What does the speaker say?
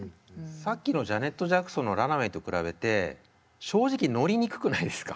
さっきのジャネット・ジャクソンの「Ｒｕｎａｗａｙ」と比べて正直乗りにくくないですか？